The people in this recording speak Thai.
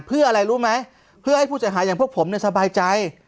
เพื่ออะไรรู้ไหมเพื่อให้ผู้เสียหายอย่างพวกผมเนี่ยสบายใจ